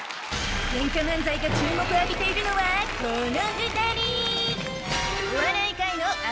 ケンカ漫才が注目を浴びているのはこの２人！